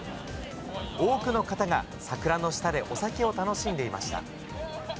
多くの方が桜の下でお酒を楽しんでいました。